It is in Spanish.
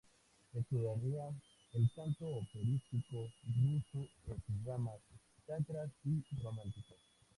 Estudiaría el canto operístico ruso en sus ramas "sacras" y "románticas".